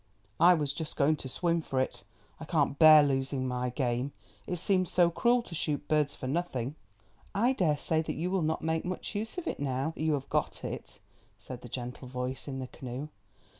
I was just going to swim for it, I can't bear losing my game. It seems so cruel to shoot birds for nothing." "I dare say that you will not make much use of it now that you have got it," said the gentle voice in the canoe.